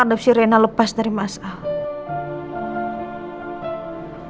adopsi rena lepas dari masalah apa sikap mama akan tetap sama seperti ini